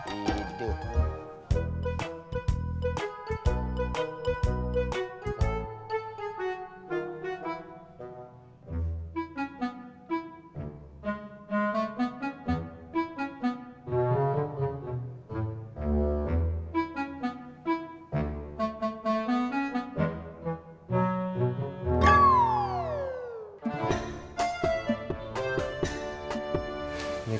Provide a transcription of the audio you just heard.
gue prisihkan dong bikin